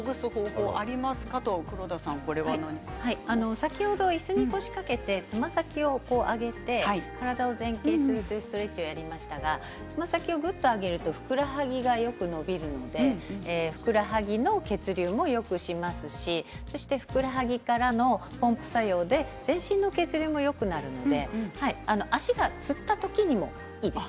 先ほどいすに腰掛けてつま先を上げて体を前傾するというストレッチをやりましたが、つま先をぐっと上げるとふくらはぎがよく伸びるのでふくらはぎの血流もよくしますしふくらはぎからのポンプ作用で、全身の血流もよくなるので足がつった時にもいいです。